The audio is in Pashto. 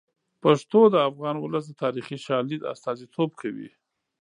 پښتو د افغان ولس د تاریخي شالید استازیتوب کوي.